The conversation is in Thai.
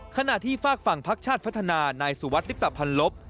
ขณะที่ฝากฝั่งพักชาติพัฒนานายสุวัสดิบตะพันลบ